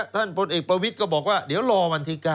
พลเอกประวิทย์ก็บอกว่าเดี๋ยวรอวันที่๙